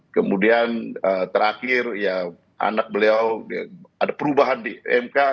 kemudian terakhir ya anak beliau ada perubahan di mk